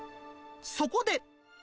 そこで。